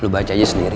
lo baca aja sendiri